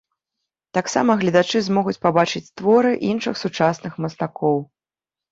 Таксама гледачы змогуць пабачыць творы іншых сучасных мастакоў.